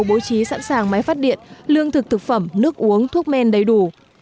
bố trí sẵn sàng máy phát điện lương thực thực phẩm nước uống thuốc men đầy đủ